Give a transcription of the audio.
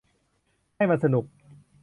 ให้มันสนุก